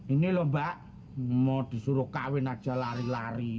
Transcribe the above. ini lomba mau disuruh kawin aja lari lari nih